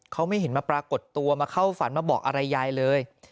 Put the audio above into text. เขาไม่เห็นมาปรากฏตัวมาเข้าฝันมาบอกอะไรยายเลย